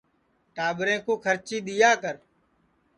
ٹاٻریں کُو کھرچی دؔیا کر